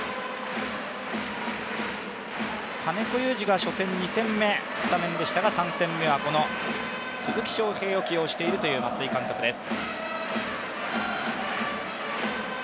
金子侑司が初戦２戦目スタメンでしたが、３戦目は鈴木将平を起用している松井監督です。